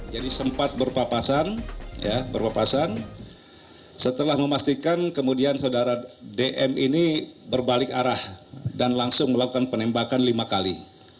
jadi sempat berpapasan setelah memastikan kemudian saudara dm ini berbalik arah dan langsung melakukan penembakan lima kali